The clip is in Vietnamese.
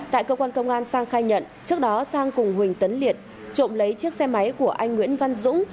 tại cơ quan công an sang khai nhận trước đó sang cùng huỳnh tấn liệt trộm lấy chiếc xe máy của anh nguyễn văn dũng